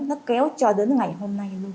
nó kéo cho đến ngày hôm nay luôn